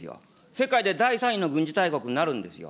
世界で第３位の軍事大国になるんですよ。